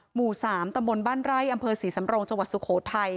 หมู่๓ตำบลบ้านไร่อำเภอศรีสำรงจังหวัดสุโขทัย